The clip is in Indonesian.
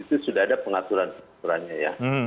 itu sudah ada pengaturan pengaturannya ya